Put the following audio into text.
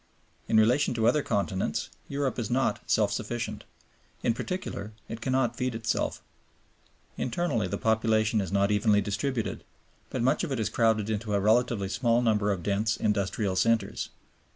In relation to other continents Europe is not self sufficient; in particular it cannot feed Itself. Internally the population is not evenly distributed, but much of it is crowded into a relatively small number of dense industrial centers.